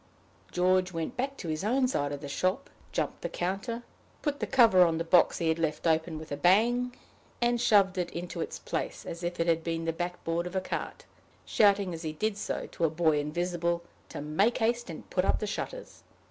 George went back to his own side of the shop, jumped the counter, put the cover on the box he had left open with a bang, and shoved it into its place as if it had been the backboard of a cart, shouting as he did so to a boy invisible, to make haste and put up the shutters.